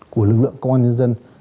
của lực lượng công an nhân dân